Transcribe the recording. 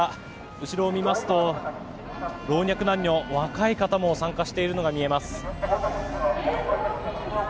後ろを見ますと老若男女若い方も参加しているのが見えます。